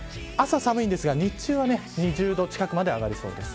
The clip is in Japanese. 朝、寒いんですが、日中は２０度近くまで上がりそうです。